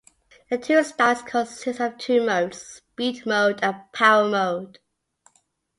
The two styles consist of two modes: Speed mode and Power mode.